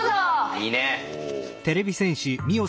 いいね！